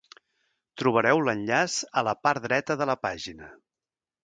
Trobareu l'enllaç a la part dreta de la pàgina.